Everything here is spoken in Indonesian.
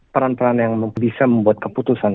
peran peran yang bisa membuat keputusan